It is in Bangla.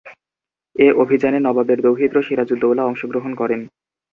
এ অভিযানে নবাবের দৌহিত্র সিরাজউদ্দৌলা অংশগ্রহণ করেন।